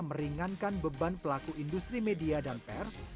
meringankan beban pelaku industri media dan pers